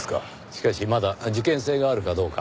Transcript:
しかしまだ事件性があるかどうか。